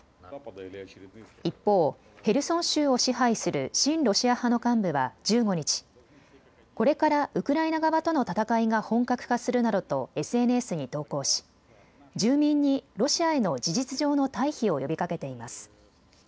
一方、へルソン州を支配する親ロシア派の幹部は１５日、これからウクライナ側との戦いが本格化するなどとＳＮＳに投稿し、住民にロシアへの事実上の退避を呼びかけています。